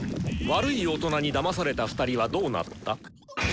「悪い大人にだまされた２人はどうなった？」。